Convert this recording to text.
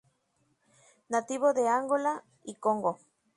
Nativo de Angola y Congo.